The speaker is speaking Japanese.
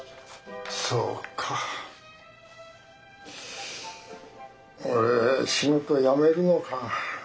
そうか俺仕事やめるのか。